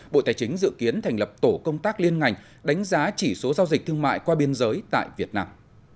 bộ tài chính dự kiến thành lập tổ công tác liên ngành đánh giá chỉ số giao dịch thương mại qua biên giới tại việt nam